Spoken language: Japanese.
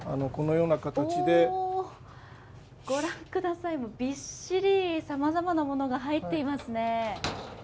ご覧ください、びっしりさまざまなものが入っていますね。